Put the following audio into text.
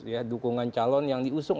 ya dukungan calon yang diusung